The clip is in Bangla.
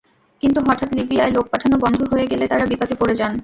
কিন্তু হঠাৎ লিবিয়ায় লোক পাঠানো বন্ধ হয়ে গেলে তাঁরা বিপাকে পড়ে যান।